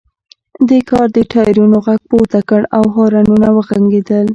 دې کار د ټایرونو غږ پورته کړ او هارنونه وغږیدل